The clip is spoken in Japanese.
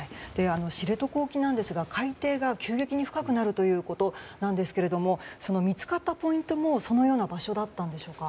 知床沖ですが海底が急激に深くなるということですが見つかったポイントもそのような場所だったのでしょうか。